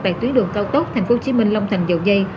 tại tuyến đường cao tốc tp hcm long thành dầu dây